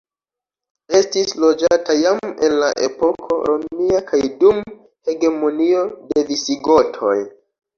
Estis loĝata jam el la epoko romia kaj dum hegemonio de visigotoj.